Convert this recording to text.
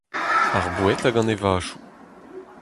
Ar boued hag an evajoù.